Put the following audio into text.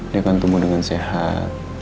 dia akan tumbuh dengan sehat